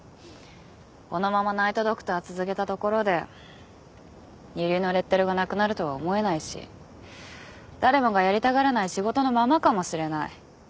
このままナイト・ドクター続けたところで二流のレッテルがなくなるとは思えないし誰もがやりたがらない仕事のままかもしれない。